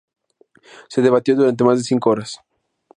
Se debatió durante más de cinco horas.